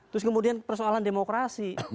terus kemudian persoalan demokrasi